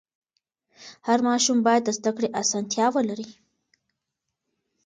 هر ماشوم باید د زده کړې اسانتیا ولري.